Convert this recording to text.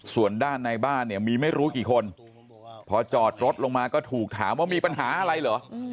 ส่วนด้านในบ้านเนี่ยมีไม่รู้กี่คนพอจอดรถลงมาก็ถูกถามว่ามีปัญหาอะไรเหรอ